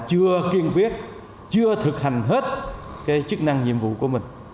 chưa kiên quyết chưa thực hành hết cái chức năng nhiệm vụ của mình